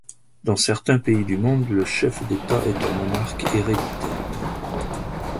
Dans certains pays du monde, le chef d'État est un monarque héréditaire.